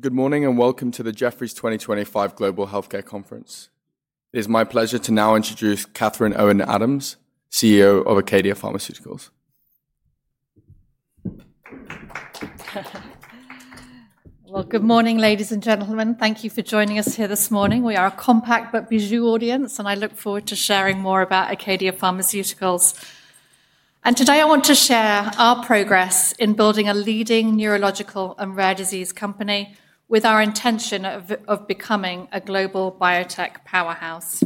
Good morning and welcome to the Jefferies 2025 Global Healthcare Conference. It is my pleasure to now introduce Catherine Owen Adams, CEO of Acadia Pharmaceuticals. Good morning, ladies and gentlemen. Thank you for joining us here this morning. We are a compact but bijou audience, and I look forward to sharing more about Acadia Pharmaceuticals. Today I want to share our progress in building a leading neurological and rare disease company with our intention of becoming a global biotech powerhouse.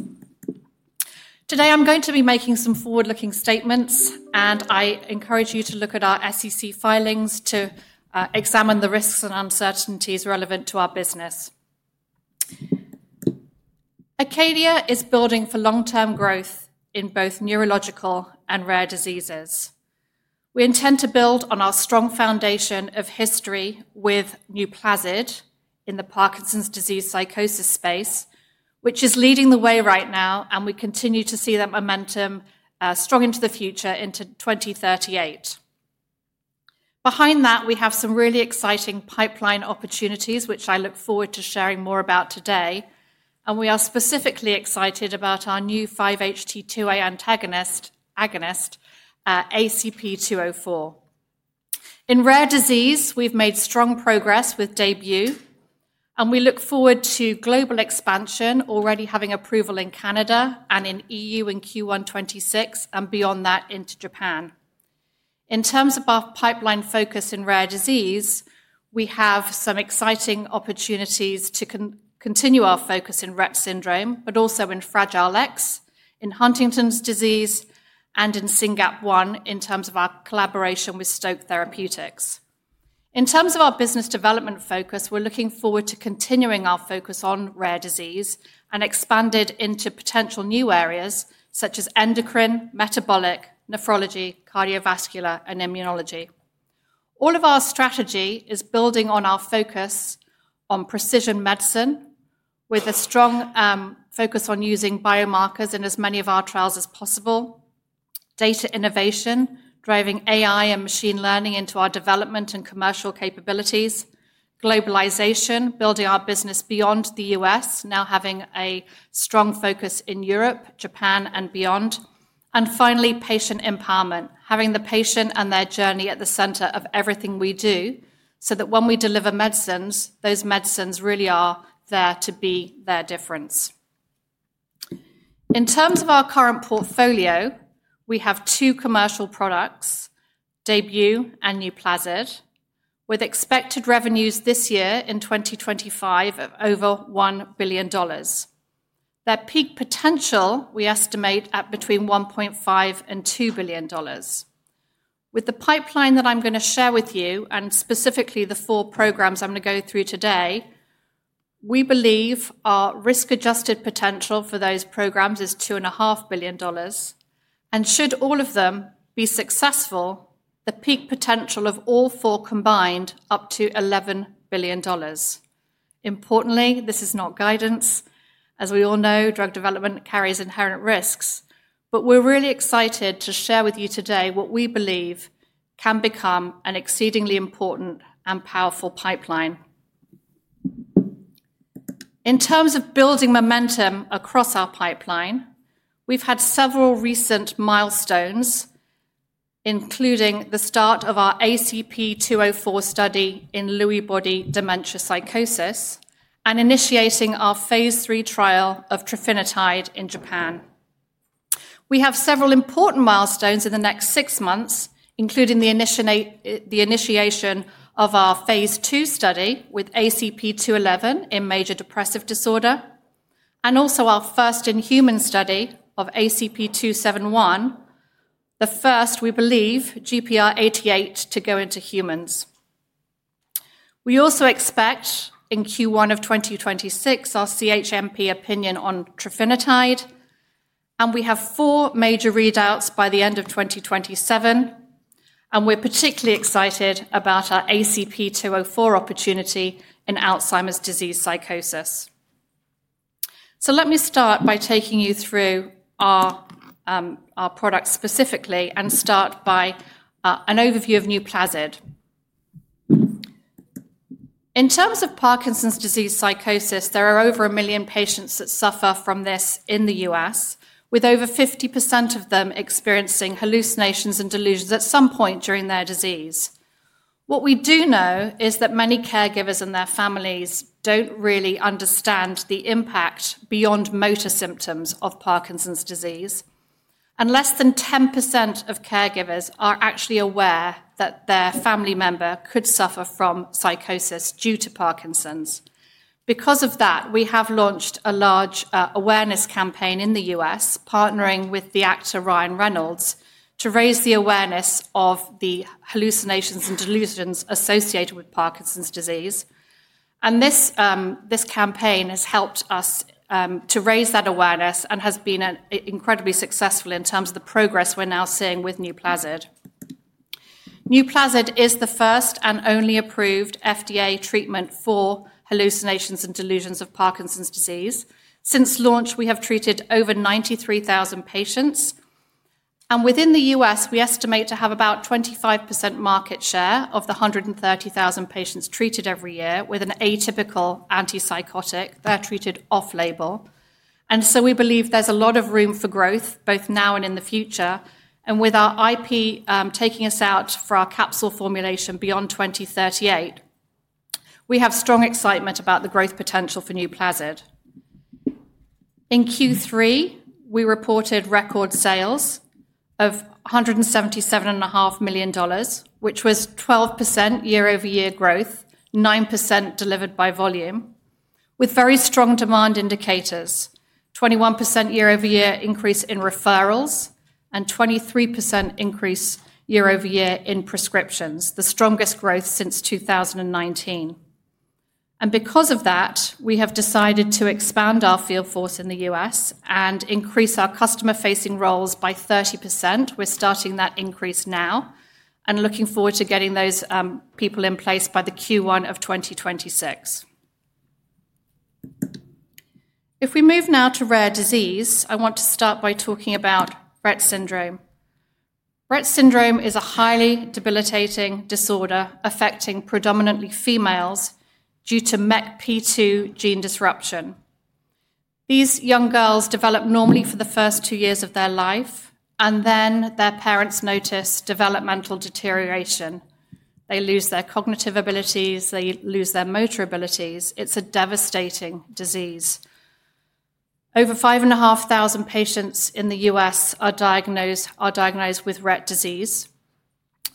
Today I'm going to be making some forward-looking statements, and I encourage you to look at our SEC filings to examine the risks and uncertainties relevant to our business. Acadia is building for long-term growth in both neurological and rare diseases. We intend to build on our strong foundation of history with NUPLAZID in the Parkinson's disease psychosis space, which is leading the way right now, and we continue to see that momentum strong into the future into 2038. Behind that, we have some really exciting pipeline opportunities, which I look forward to sharing more about today. We are specifically excited about our new 5-HT2A Agonist, ACP-204. In rare disease, we've made strong progress with DAYBUE, and we look forward to global expansion, already having approval in Canada and in the EU in Q1 2026 and beyond that into Japan. In terms of our pipeline focus in rare disease, we have some exciting opportunities to continue our focus in Rett syndrome, but also in Fragile X, in Huntington's disease, and in SYNGAP1 in terms of our collaboration with Stoke Therapeutics. In terms of our business development focus, we're looking forward to continuing our focus on rare disease and expanding into potential new areas such as endocrine, metabolic, nephrology, cardiovascular, and immunology. All of our strategy is building on our focus on precision medicine with a strong focus on using biomarkers in as many of our trials as possible. Data innovation, driving AI and machine learning into our development and commercial capabilities. Globalization, building our business beyond the U.S., now having a strong focus in Europe, Japan, and beyond. Finally, patient empowerment, having the patient and their journey at the center of everything we do so that when we deliver medicines, those medicines really are there to be their difference. In terms of our current portfolio, we have two commercial products, DAYBUE and NUPLAZID, with expected revenues this year in 2025 of over $1 billion. Their peak potential we estimate at between $1.5 billion and $2 billion. With the pipeline that I'm going to share with you and specifically the four programs I'm going to go through today, we believe our risk-adjusted potential for those programs is $2.5 billion. Should all of them be successful, the peak potential of all four combined up to $11 billion. Importantly, this is not guidance. As we all know, drug development carries inherent risks, but we're really excited to share with you today what we believe can become an exceedingly important and powerful pipeline. In terms of building momentum across our pipeline, we've had several recent milestones, including the start of our ACP-204 study in Lewy body dementia psychosis and initiating our phase III trial of trofinetide in Japan. We have several important milestones in the next six months, including the initiation of our phase II study with ACP-211 in major depressive disorder, and also our first in-human study of ACP-271, the first, we believe, GPR88 to go into humans. We also expect in Q1 of 2026 our CHMP opinion on trofinetide, and we have four major readouts by the end of 2027. We're particularly excited about our ACP-204 opportunity in Alzheimer's disease psychosis. Let me start by taking you through our product specifically and start by an overview of NUPLAZID. In terms of Parkinson's disease psychosis, there are over a million patients that suffer from this in the U.S., with over 50% of them experiencing hallucinations and delusions at some point during their disease. What we do know is that many caregivers and their families don't really understand the impact beyond motor symptoms of Parkinson's disease, and less than 10% of caregivers are actually aware that their family member could suffer from psychosis due to Parkinson's. Because of that, we have launched a large awareness campaign in the U.S., partnering with the actor Ryan Reynolds to raise the awareness of the hallucinations and delusions associated with Parkinson's disease. This campaign has helped us to raise that awareness and has been incredibly successful in terms of the progress we're now seeing with NUPLAZID. NUPLAZID is the first and only approved FDA treatment for hallucinations and delusions of Parkinson's disease. Since launch, we have treated over 93,000 patients. Within the U.S., we estimate to have about 25% market share of the 130,000 patients treated every year with an atypical antipsychotic that are treated off-label. We believe there is a lot of room for growth both now and in the future. With our IP taking us out for our capsule formulation beyond 2038, we have strong excitement about the growth potential for NUPLAZID. In Q3, we reported record sales of $177.5 million, which was 12% year-over-year growth, 9% delivered by volume, with very strong demand indicators, 21% year-over-year increase in referrals, and 23% increase year-over-year in prescriptions, the strongest growth since 2019. Because of that, we have decided to expand our field force in the U.S. and increase our customer-facing roles by 30%. We are starting that increase now and looking forward to getting those people in place by the first quarter of 2026. If we move now to rare disease, I want to start by talking about Rett syndrome. Rett syndrome is a highly debilitating disorder affecting predominantly females due to MECP2 gene disruption. These young girls develop normally for the first two years of their life, and then their parents notice developmental deterioration. They lose their cognitive abilities, they lose their motor abilities. It's a devastating disease. Over 5,500 patients in the U.S. are diagnosed with Rett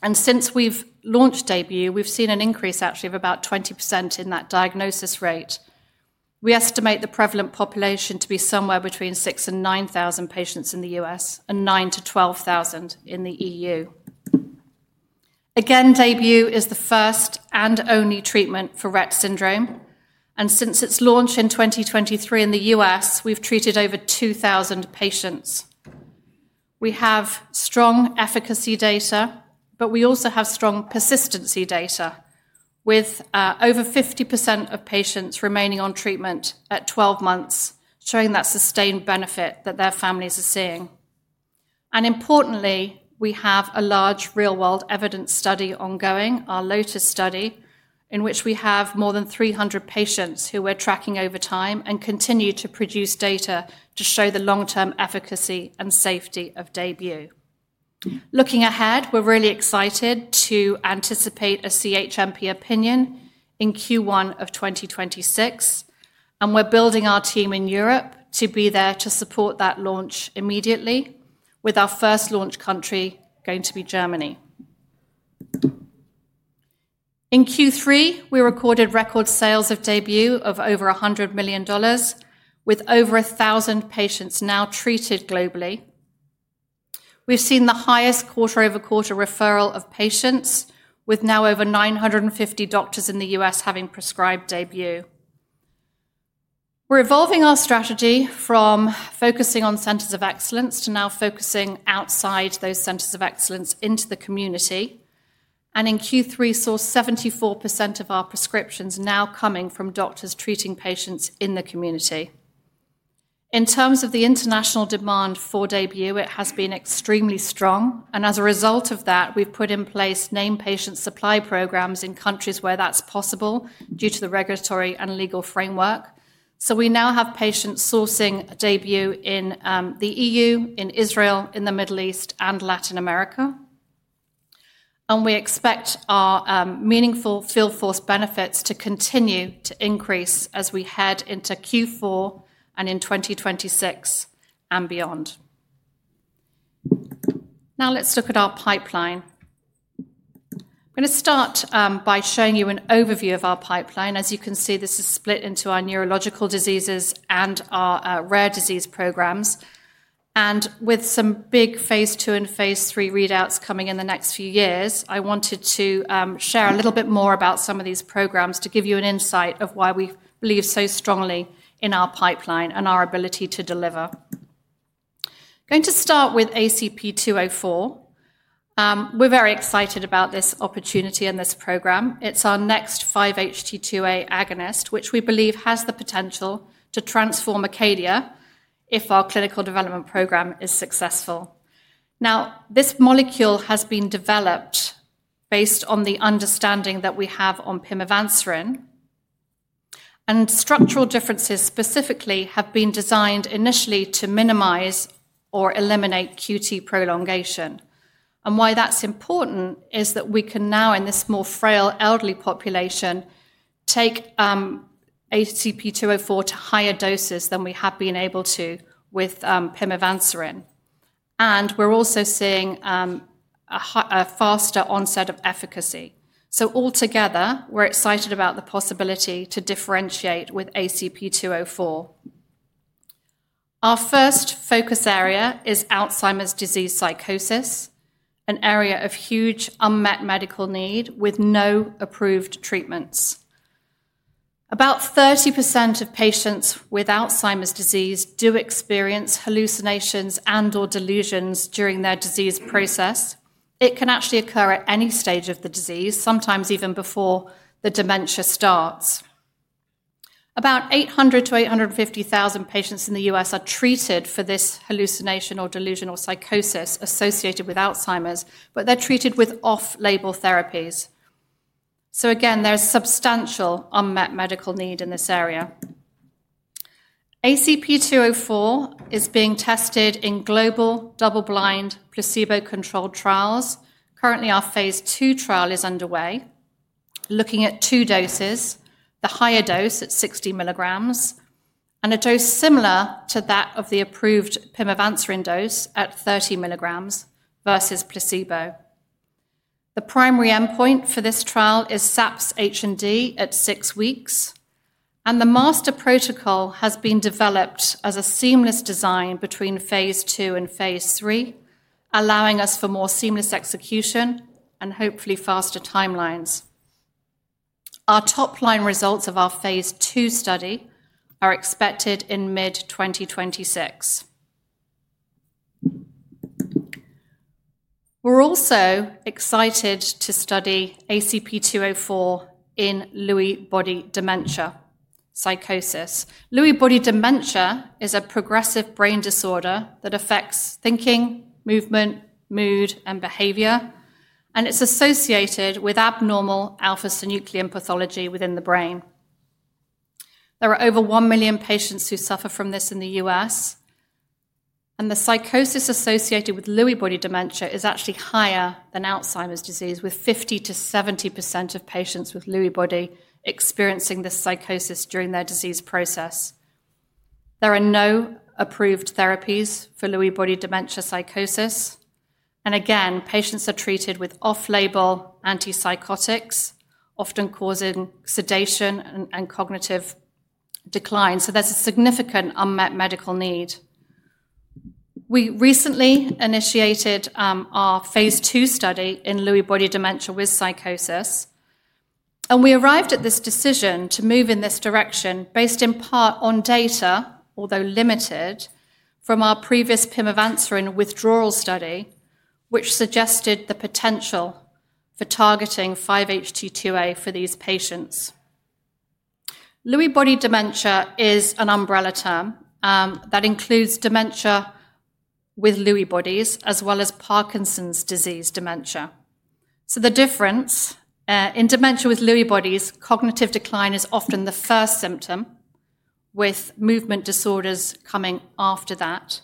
syndrome. Since we've launched DAYBUE, we've seen an increase actually of about 20% in that diagnosis rate. We estimate the prevalent population to be somewhere between 6,000-9,000 patients in the U.S. and 9,000-12,000 in the EU. DAYBUE is the first and only treatment for Rett syndrome. Since its launch in 2023 in the U.S., we've treated over 2,000 patients. We have strong efficacy data, but we also have strong persistency data, with over 50% of patients remaining on treatment at 12 months, showing that sustained benefit that their families are seeing. Importantly, we have a large real-world evidence study ongoing, our LOTUS study, in which we have more than 300 patients who we're tracking over time and continue to produce data to show the long-term efficacy and safety of DAYBUE. Looking ahead, we're really excited to anticipate a CHMP opinion in Q1 2026, and we're building our team in Europe to be there to support that launch immediately, with our first launch country going to be Germany. In Q3, we recorded record sales of DAYBUE of over $100 million, with over 1,000 patients now treated globally. We've seen the highest quarter-over-quarter referral of patients, with now over 950 doctors in the U.S. having prescribed DAYBUE. We're evolving our strategy from focusing on centers of excellence to now focusing outside those centers of excellence into the community. In Q3, we saw 74% of our prescriptions now coming from doctors treating patients in the community. In terms of the international demand for DAYBUE, it has been extremely strong. As a result of that, we've put in place name patient supply programs in countries where that's possible due to the regulatory and legal framework. We now have patients sourcing DAYBUE in the EU, in Israel, in the Middle East, and Latin America. We expect our meaningful field force benefits to continue to increase as we head into Q4 and in 2026 and beyond. Now let's look at our pipeline. I'm going to start by showing you an overview of our pipeline. As you can see, this is split into our neurological diseases and our rare disease programs. With some big phase II and phase III readouts coming in the next few years, I wanted to share a little bit more about some of these programs to give you an insight of why we believe so strongly in our pipeline and our ability to deliver. I'm going to start with ACP-204. We're very excited about this opportunity and this program. It's our next 5-HT2A agonist, which we believe has the potential to transform Acadia if our clinical development program is successful. Now, this molecule has been developed based on the understanding that we have on pimevanserin. Structural differences specifically have been designed initially to minimize or eliminate QT prolongation. Why that's important is that we can now, in this more frail elderly population, take ACP-204 to higher doses than we have been able to with pimevanserin. We're also seeing a faster onset of efficacy. Altogether, we're excited about the possibility to differentiate with ACP-204. Our first focus area is Alzheimer's disease psychosis, an area of huge unmet medical need with no approved treatments. About 30% of patients with Alzheimer's disease do experience hallucinations and/or delusions during their disease process. It can actually occur at any stage of the disease, sometimes even before the dementia starts. About 800,000-850,000 patients in the U.S. are treated for this hallucination or delusion or psychosis associated with Alzheimer's, but they're treated with off-label therapies. Again, there's substantial unmet medical need in this area. ACP-204 is being tested in global double-blind placebo-controlled trials. Currently, our phase II trial is underway, looking at two doses, the higher dose at 60 mg and a dose similar to that of the approved pimevanserin dose at 30 mg versus placebo. The primary endpoint for this trial is SAPS-H+D at six weeks. The master protocol has been developed as a seamless design between phase II and phase III, allowing us for more seamless execution and hopefully faster timelines. Our top-line results of our phase II study are expected in mid-2026. We're also excited to study ACP-204 in Lewy body dementia psychosis. Lewy body dementia is a progressive brain disorder that affects thinking, movement, mood, and behavior, and it's associated with abnormal alpha-synuclein pathology within the brain. There are over 1 million patients who suffer from this in the U.S., and the psychosis associated with Lewy body dementia is actually higher than Alzheimer's disease, with 50%-70% of patients with Lewy body experiencing this psychosis during their disease process. There are no approved therapies for Lewy body dementia psychosis. Patients are treated with off-label antipsychotics, often causing sedation and cognitive decline. There is a significant unmet medical need. We recently initiated our phase II study in Lewy body dementia with psychosis, and we arrived at this decision to move in this direction based in part on data, although limited, from our previous pimevanserin withdrawal study, which suggested the potential for targeting 5-HT2A for these patients. Lewy body dementia is an umbrella term that includes dementia with Lewy bodies as well as Parkinson's disease dementia. The difference in dementia with Lewy bodies is that cognitive decline is often the first symptom, with movement disorders coming after that.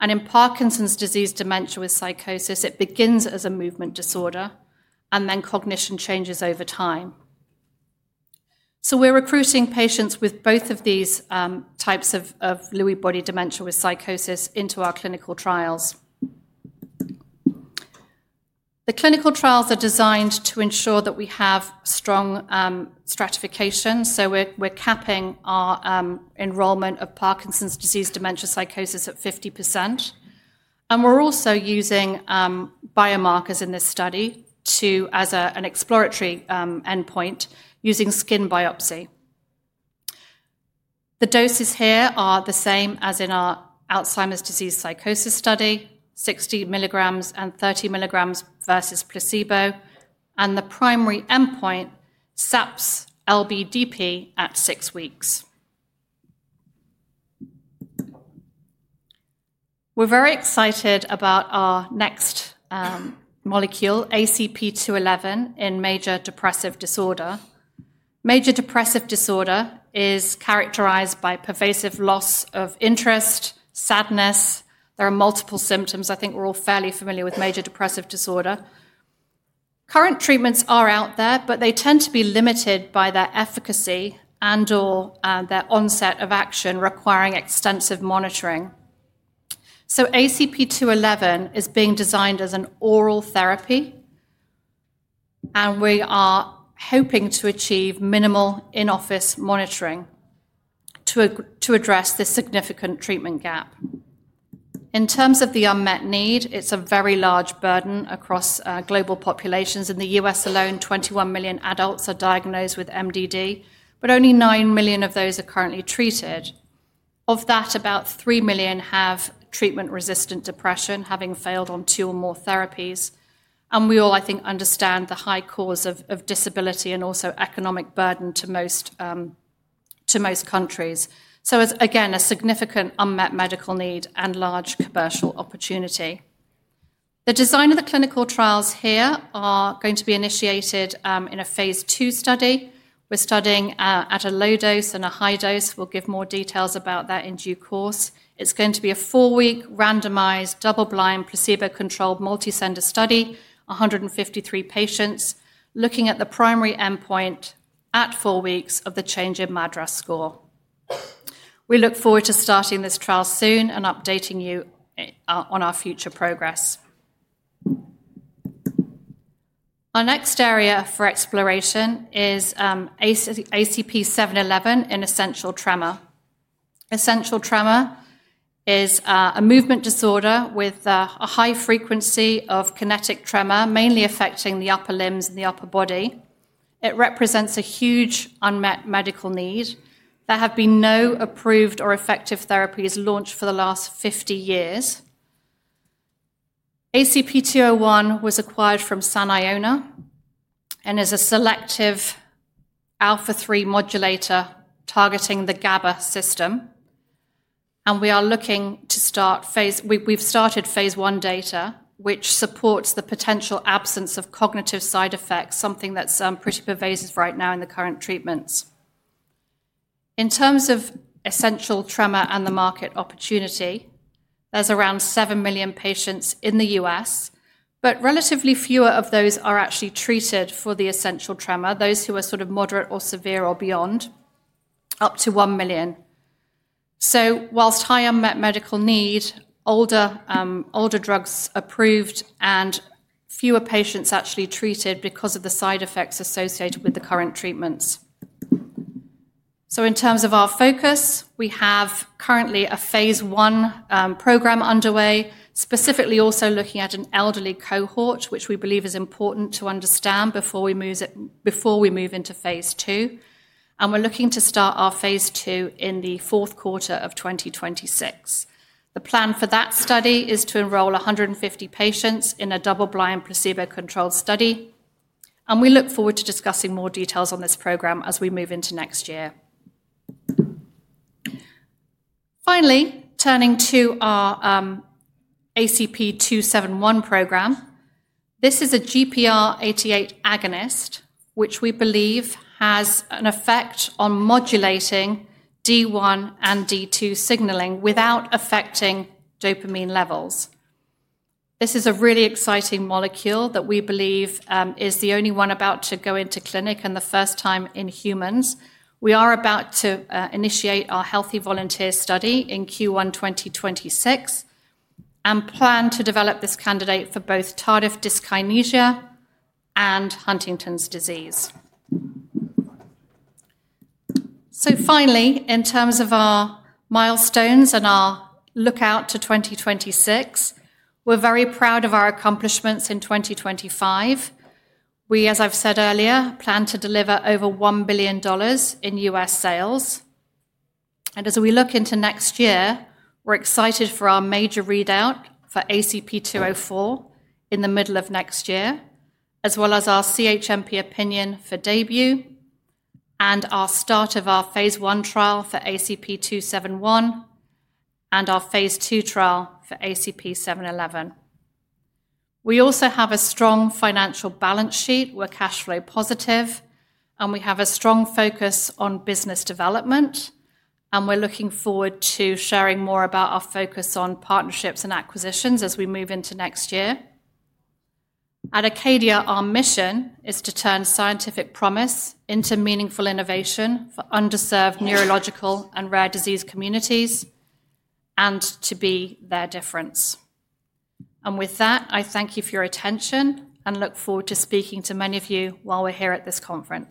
In Parkinson's disease dementia with psychosis, it begins as a movement disorder and then cognition changes over time. We're recruiting patients with both of these types of Lewy body dementia with psychosis into our clinical trials. The clinical trials are designed to ensure that we have strong stratification. We're capping our enrollment of Parkinson's disease dementia psychosis at 50%. We're also using biomarkers in this study as an exploratory endpoint, using skin biopsy. The doses here are the same as in our Alzheimer's disease psychosis study, 60 mg and 30 mg versus placebo. The primary endpoint is SAPS-LBDP at six weeks. We're very excited about our next molecule, ACP-211, in major depressive disorder. Major depressive disorder is characterized by pervasive loss of interest, sadness. There are multiple symptoms. I think we're all fairly familiar with major depressive disorder. Current treatments are out there, but they tend to be limited by their efficacy and/or their onset of action requiring extensive monitoring. ACP-211 is being designed as an oral therapy, and we are hoping to achieve minimal in-office monitoring to address this significant treatment gap. In terms of the unmet need, it is a very large burden across global populations. In the U.S. alone, 21 million adults are diagnosed with MDD, but only 9 million of those are currently treated. Of that, about 3 million have treatment-resistant depression, having failed on two or more therapies. I think we all understand the high cause of disability and also economic burden to most countries. A significant unmet medical need and large commercial opportunity. The design of the clinical trials here are going to be initiated in a phase II study. We're studying at a low dose and a high dose. We'll give more details about that in due course. It's going to be a four-week randomized double-blind placebo-controlled multicenter study, 153 patients, looking at the primary endpoint at four weeks of the change in MADRS score. We look forward to starting this trial soon and updating you on our future progress. Our next area for exploration is ACP-711 in essential tremor. Essential tremor is a movement disorder with a high frequency of kinetic tremor, mainly affecting the upper limbs and the upper body. It represents a huge unmet medical need. There have been no approved or effective therapies launched for the last 50 years. ACP-711 was acquired from Saniona and is a selective alpha-3 modulator targeting the GABA system. We are looking to start phase—we've started phase I data, which supports the potential absence of cognitive side effects, something that's pretty pervasive right now in the current treatments. In terms of essential tremor and the market opportunity, there's around 7 million patients in the U.S., but relatively fewer of those are actually treated for the essential tremor, those who are sort of moderate or severe or beyond, up to 1 million. Whilst high unmet medical need, older drugs approved and fewer patients actually treated because of the side effects associated with the current treatments. In terms of our focus, we have currently a phase I program underway, specifically also looking at an elderly cohort, which we believe is important to understand before we move into phase II. We are looking to start our phase II in the fourth quarter of 2026. The plan for that study is to enroll 150 patients in a double-blind placebo-controlled study. We look forward to discussing more details on this program as we move into next year. Finally, turning to our ACP-271 program, this is a GPR88 agonist, which we believe has an effect on modulating D1 and D2 signaling without affecting dopamine levels. This is a really exciting molecule that we believe is the only one about to go into clinic and the first time in humans. We are about to initiate our Healthy Volunteers study in Q1 2026 and plan to develop this candidate for both tardive dyskinesia and Huntington's disease. Finally, in terms of our milestones and our lookout to 2026, we're very proud of our accomplishments in 2025. We, as I've said earlier, plan to deliver over $1 billion in U.S. sales. As we look into next year, we're excited for our major readout for ACP-204 in the middle of next year, as well as our CHMP opinion for DAYBUE and our start of our phase I trial for ACP-271 and our phase II trial for ACP-711. We also have a strong financial balance sheet. We're cash flow positive, and we have a strong focus on business development. We're looking forward to sharing more about our focus on partnerships and acquisitions as we move into next year. At Acadia, our mission is to turn scientific promise into meaningful innovation for underserved neurological and rare disease communities and to be their difference. With that, I thank you for your attention and look forward to speaking to many of you while we're here at this conference.